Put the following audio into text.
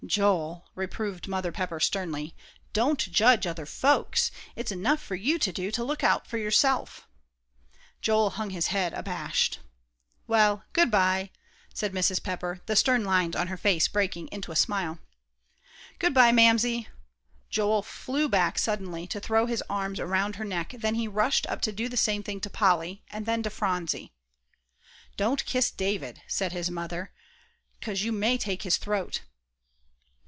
"Joel," reproved Mrs. Pepper, sternly, "don't judge other folks; it's enough for you to do to look out for yourself." Joel hung his head, abashed. "Well, good by," said Mrs. Pepper, the stern lines on her face breaking into a smile. "Good by, Mamsie!" Joel flew back suddenly, to throw his arms around her neck, then he rushed up to do the same thing to Polly, and then to Phronsie. "Don't kiss David," said his mother, "'cause you may take his throat."